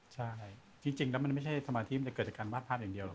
ใช่จริงแล้วมันไม่ใช่สมาธิมันจะเกิดจากการวาดภาพอย่างเดียวห